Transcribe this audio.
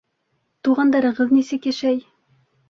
Туғандарығыҙ нисек йәшәй?